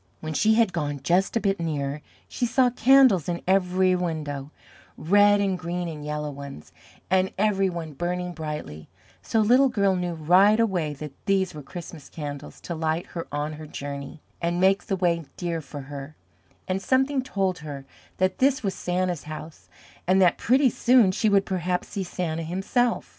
When she had gone just a bit nearer, she saw candles in every window, red and green and yellow ones, and every one burning brightly, so Little Girl knew right away that these were Christmas candles to light her on her journey, and make the way dear for her, and something told her that this was Santa's house, and that pretty soon she would perhaps see Santa himself.